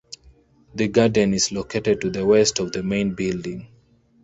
The garden is located to the west of the main building.